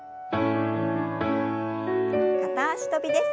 片脚跳びです。